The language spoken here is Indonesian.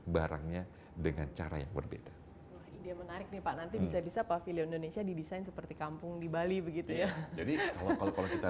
barangnya dengan cara yang berbeda ide menarik nih pak nanti bisa bisa pavilion indonesia didesain seperti kampung di bali begitu ya jadi kalau kita